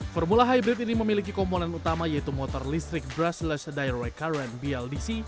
formula hybrid ini memiliki komponen utama yaitu motor listrik brusseless direct current bldc